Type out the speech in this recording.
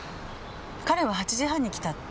彼は８時半に来たって。